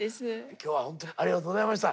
今日はホントにありがとうございました。